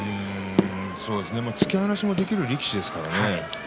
突き放しができる力士ですからね。